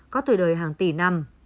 có tuổi đời hàng tỷ năm